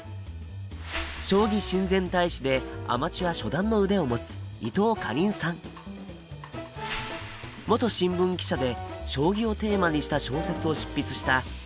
将棋親善大使でアマチュア初段の腕を持つ元新聞記者で将棋をテーマにした小説を執筆した